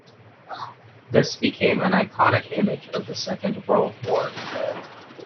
This became an iconic image of the Second World War.